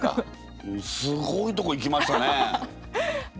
すごいとこいきましたね。